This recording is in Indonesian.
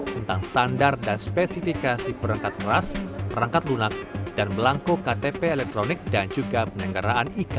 tentang standar dan spesifikasi perangkat meras perangkat lunak dan melangkau ktp elektronik dan juga penegaraan ikd